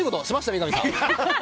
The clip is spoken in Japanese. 三上さん！